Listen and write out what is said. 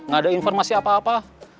gak ada informasi apa apa